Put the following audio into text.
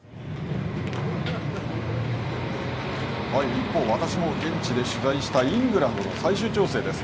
一方私も現地で取材したイングランドの最終調整です。